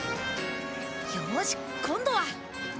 よーし今度は。